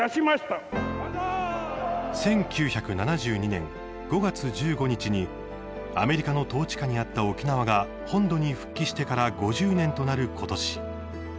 １９７２年５月１５日にアメリカの統治下にあった沖縄が本土に復帰してから５０年となることし